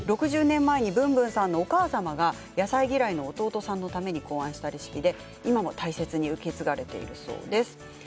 ６０年前にブンブンさんのお母様が、野菜嫌いの弟さんのために考案したレシピで今も大切に受け継がれているそうです。